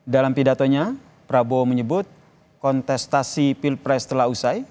dalam pidatonya prabowo menyebut kontestasi pilpres telah usai